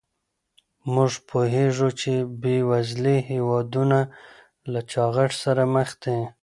موږ پوهیږو چې بې وزلي هېوادونه له چاغښت سره مخ دي.